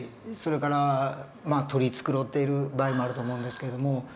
それから取り繕っている場合もあると思うんですけれども。